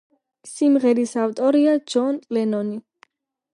სიმღერის ავტორია ჯონ ლენონი.